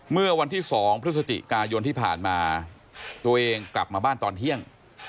เมื่อวันที่๒พฤศจิกายนที่ผ่านมาตัวเองกลับมาบ้านตอนเที่ยง